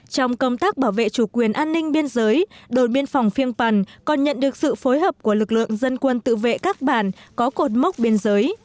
trong công tác bảo vệ chủ quyền an ninh biên giới đồn biên phòng phiêng pần còn nhận được sự phối hợp của lực lượng dân quân tự vệ các bản có cột mốc biên giới